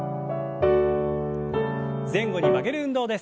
前後に曲げる運動です。